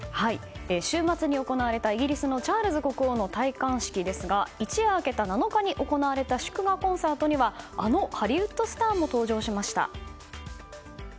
週末に行われた、イギリスのチャールズ国王の戴冠式ですが一夜明けた７日に行われた祝賀コンサートにはあのハリウッドスターも登場しました。